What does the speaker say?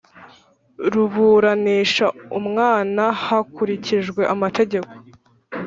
ruburanisha umwana hakurikijwe amategeko